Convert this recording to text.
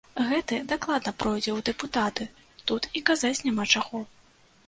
Гэты дакладна пройдзе ў дэпутаты, тут і казаць няма чаго.